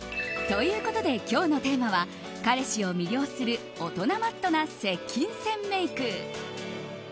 ということで今日のテーマは彼氏を魅了する大人マットな接近戦メイク。